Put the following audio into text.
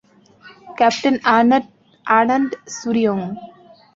Captain আর্নন্ট সুরিওং।